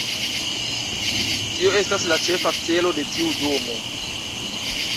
Tio estas la ĉefa celo de tiu domo.